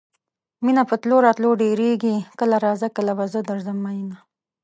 مینه په تلو راتلو ډیریږي کله راځه کله به زه درځم میینه